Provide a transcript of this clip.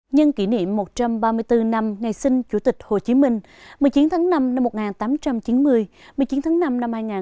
nhân kỷ niệm một trăm ba mươi bốn năm ngày sinh chủ tịch hồ chí minh một mươi chín tháng năm năm một nghìn tám trăm chín mươi một mươi chín tháng năm năm hai nghìn hai mươi bốn